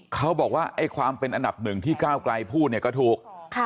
เขาบอกว่าไอ้ความเป็นอันดับหนึ่งที่ก้าวไกลพูดเนี่ยก็ถูก